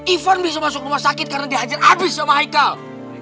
ivan bisa masuk rumah sakit karena diajar abis sama haikal